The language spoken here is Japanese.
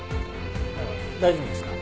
大丈夫ですか？